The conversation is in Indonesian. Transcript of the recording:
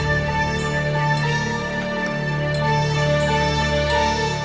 aku sudah melarangmu untuk menemui faridah